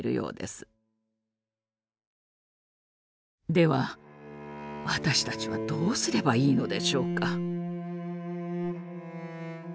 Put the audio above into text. では私たちはどうすればいいのでしょうか？